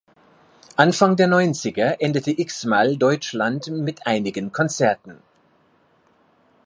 Anfang der Neunziger endete Xmal Deutschland mit einigen Konzerten.